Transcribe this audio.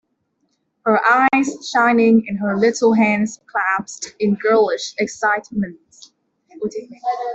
Her eyes shining and her little hands clasped in girlish excitement.